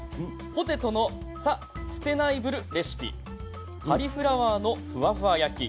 「ポテトのサ・ステナイブルレシピ」「カリフラワーのフワフワ焼き」。